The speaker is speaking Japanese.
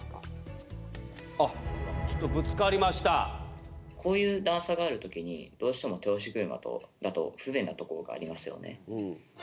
あっちょっとこういう段差がある時にどうしても手押し車だと不便なところがありますよね。